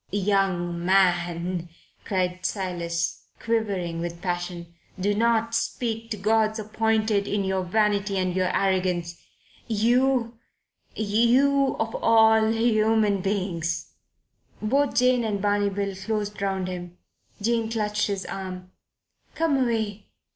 "Young man," cried Silas, quivering with passion, "do not speak to God's appointed in your vanity and your arrogance. You you of all human beings " Both Jane and Barney Bill closed round him. Jane clutched his arm. "Come away.